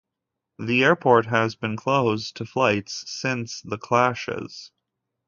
The airport has been closed to flights since the clashes.